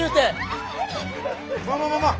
ままままあ